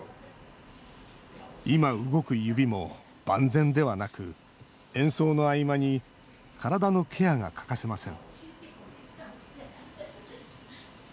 今、動く指も万全ではなく演奏の合間に体のケアが欠かせません